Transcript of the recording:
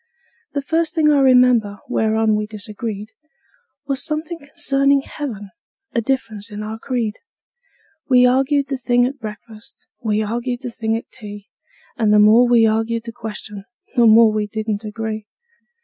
The first thing I remember whereon we disagreed Was something concerning heaven a difference in our creed; We arg'ed the thing at breakfast, we arg'ed the thing at tea, And the more we arg'ed the question the more we didn't agree.